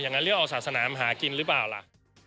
อย่างนั้นเรื่องเอาศาสนามหากินหรือเปล่าล่ะ